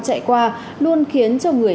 chạy qua luôn khiến cho người